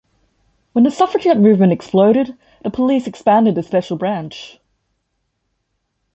When the suffragette movement exploded, the police expanded the Special Branch.